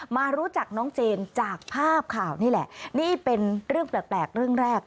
มารู้จักน้องเจนจากภาพข่าวนี่แหละนี่เป็นเรื่องแปลกเรื่องแรก